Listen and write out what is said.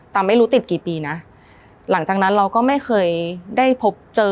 แต่ไม่รู้ติดกี่ปีนะหลังจากนั้นเราก็ไม่เคยได้พบเจอ